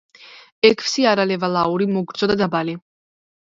ექვსი არალევალაური მოგრძო და დაბალი.